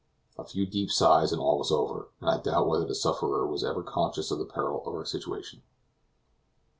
A few deep sighs and all was over, and I doubt whether the sufferer was ever conscious of the peril of her situation.